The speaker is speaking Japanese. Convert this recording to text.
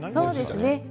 そうですね。